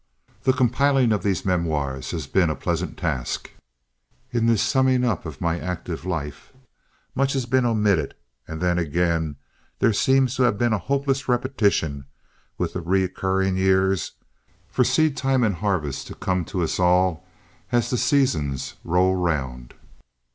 The compiling of these memoirs has been a pleasant task. In this summing up of my active life, much has been omitted; and then again, there seems to have been a hopeless repetition with the recurring years, for seedtime and harvest come to us all as the seasons roll round.